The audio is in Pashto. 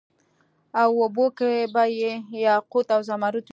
او اوبو کي به یاقوت او زمرود وي